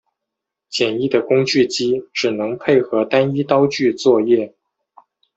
简易的工具机只能配合单一刀具作业。